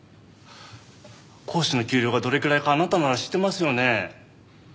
講師の給料がどれくらいかあなたなら知ってますよね？